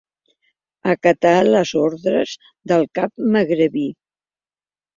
Acatà les ordres del cap magrebí.